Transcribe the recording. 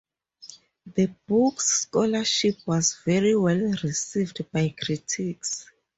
The book's scholarship was very well received by critics.